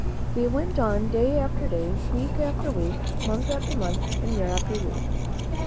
They went on day after day, week after week, month after month, and year after year.